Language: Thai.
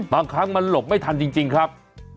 บางครั้งมันหลบไม่ทันจริงครับ